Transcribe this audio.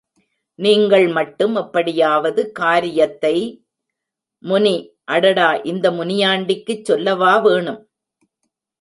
நீங்கள் மட்டும் எப்படியாவது காரியத்தை...... முனி அடாடா இந்த முனியாண்டிக்குச் சொல்லவா வேணும்.